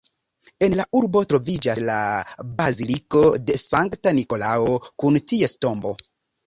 En la urbo troviĝas la baziliko de Sankta Nikolao kun ties tombo.